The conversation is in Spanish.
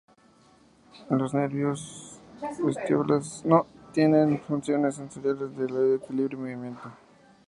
En los nervios vestibulares tienen funciones sensoriales de oído, equilibrio y movimiento.